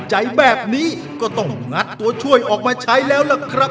ออกมาเป็นอ่านเนื้อเพลงต้นฉบับให้ฟังครับ